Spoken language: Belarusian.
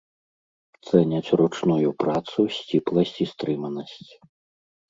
Цэняць ручную працу, сціпласць і стрыманасць.